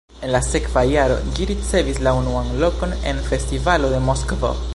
En la sekva jaro ĝi ricevis la unuan lokon en festivalo de Moskvo.